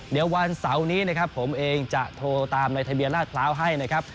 เดี๋ยววันเสาร์นี้นะครับผมเองจะโทรตามในทะเบียนราชพร้าวให้นะครับ